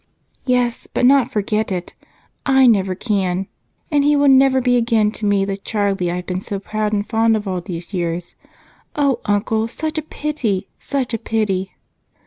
"Yes, but not forget it. I never can, and he will never be again to me the Charlie I've been so proud and fond of all these years. Oh, Uncle, such a pity! Such a pity!"